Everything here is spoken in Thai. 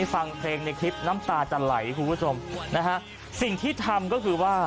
ฟังเพลงในคลิปน้ำตาจะไหลคุณผู้ชมนะฮะสิ่งที่ทำก็คือว่า